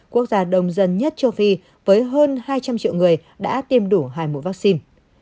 quốc gia đông dân nhất châu phi với hơn hai trăm linh triệu người đã tiêm đủ hai mũi vaccine